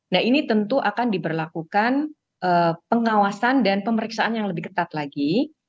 nah ini tentu akan diberlakukan pengawasan dan pemeriksaan yang lebih ketat lagi